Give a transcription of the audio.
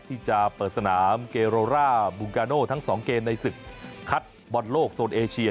ที่จะเปิดสนามเกโรร่าบุงกาโน่ทั้งสองเกมในศึกคัดบอลโลกโซนเอเชีย